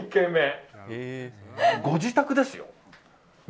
ご自宅ですよ。